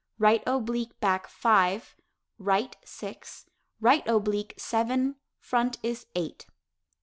Right oblique back, "five." Right, "six." Right oblique, "seven." Front is "eight."